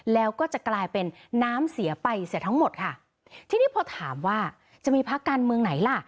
แล้วก็จะกลายเป็นน้ำเสียไปเสียทั้งหมดค่ะทีนี้พอถามว่าจะมีพักการเมืองไหนล่ะ